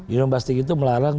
union busting itu melarang